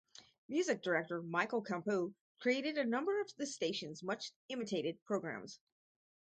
Music director Michael Compeau created a number of the station's much-imitated programs.